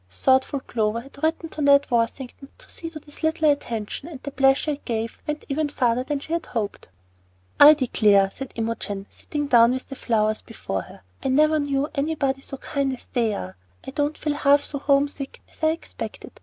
Thoughtful Clover had written to Ned Worthington to see to this little attention, and the pleasure it gave went even farther than she had hoped. "I declare," said Imogen, sitting down with the flowers before her, "I never knew anybody so kind as they all are. I don't feel half so home sick as I expected.